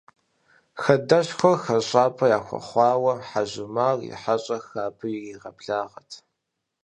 Хадэшхуэр хэщӏапӏэ яхуэхъуауэ, Хьэжумар и хьэщӏэхэр абы иригъэблагъэрт.